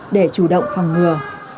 để chủ động phòng ngừa